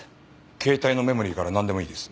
携帯のメモリーからなんでもいいです。